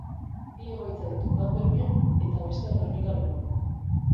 Bi egoitza ditu, bat Bermeon eta bestea Gernika-Lumon.